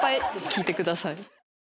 聞いてください。